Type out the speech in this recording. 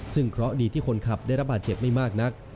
ซึ่งเคราะห์ดีที่คนขับได้รับบาดเจ็บไม่มากนัก